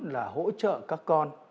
là hỗ trợ các con